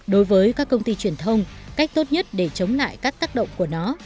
đối với các công ty truyền thông cách tốt nhất để chống lại các tác động của nó